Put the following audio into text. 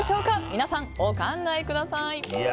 皆さんお考えください。